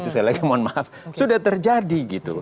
saya lagi mohon maaf sudah terjadi gitu